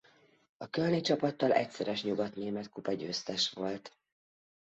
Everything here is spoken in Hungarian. A kölni csapattal egyszeres nyugatnémetkupa-győztes volt.